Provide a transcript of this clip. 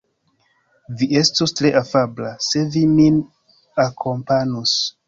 Vi estus tre afabla, se vi min akompanus.